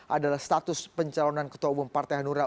adalah status pencalonan ketua umum partai hanura